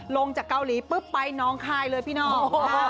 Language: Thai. ลงจากเกาหลีปุ๊บไปน้องคายเลยพี่น้อง